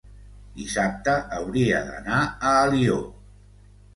dissabte hauria d'anar a Alió.